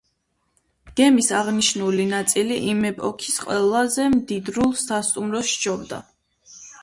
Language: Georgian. გემის აღნიშნული ნაწილი იმ ეპოქის ყველაზე მდიდრულ სასტუმროს სჯობდა.